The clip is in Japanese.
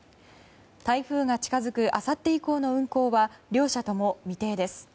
台風が近づくあさって以降の運航は両社とも未定です。